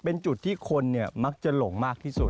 เป็นจุดที่คนมักจะหลงมากที่สุด